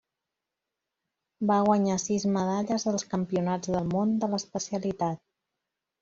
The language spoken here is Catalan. Va guanyar sis medalles als Campionats del Món de l'especialitat.